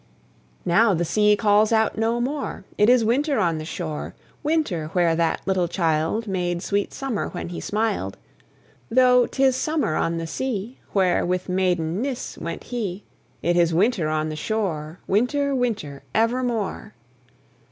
Now the sea calls out no more; It is winter on the shore, Winter where that little child Made sweet summer when he smiled; Though 'tis summer on the sea Where with maiden Nis went he, It is winter on the shore, Winter, winter evermore.